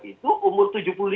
itu umur tujuh puluh lima